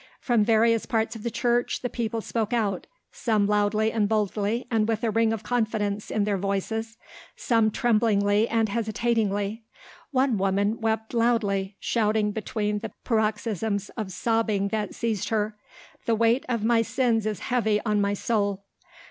From various parts of the church the people spoke out, some loudly and boldly and with a ring of confidence in their voices, some tremblingly and hesitatingly. One woman wept loudly shouting between the paroxysms of sobbing that seized her, "The weight of my sins is heavy on my soul."